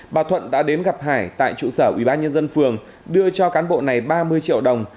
bà thuận đã đến gặp hải tại trụ sở ủy ban nhân dân phường đưa cho cán bộ này ba mươi triệu đồng